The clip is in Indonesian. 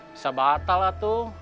bisa batal lah tuh